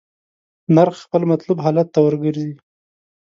نرخ خپل مطلوب حالت ته ورګرځي.